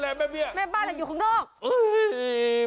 แม่บ้านอยู่ข้างนอก